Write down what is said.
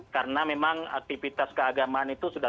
karena memang aktivitas keagamaan itu sudah